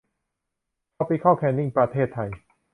ทรอปิคอลแคนนิ่ง ประเทศไทย